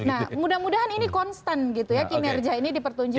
nah mudah mudahan ini konstan gitu ya kinerja ini dipertunjukkan